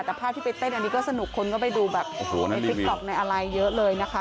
แต่ภาพที่ไปเต้นอันนี้ก็สนุกคนก็ไปดูแบบโอ้โหในติ๊กต๊อกในอะไรเยอะเลยนะคะ